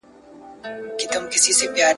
او په نهه کلنی کي یې په یوه عام محضر کي !.